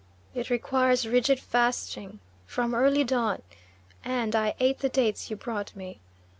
It requires rigid fasting from early dawn, and I ate the dates you brought me.